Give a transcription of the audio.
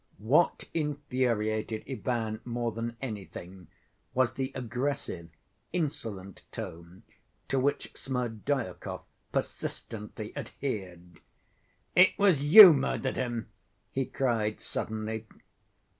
What infuriated Ivan more than anything was the aggressive, insolent tone to which Smerdyakov persistently adhered. "It was you murdered him?" he cried suddenly.